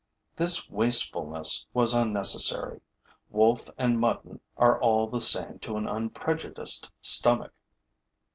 This wastefulness was unnecessary: wolf and mutton are all the same to an unprejudiced stomach.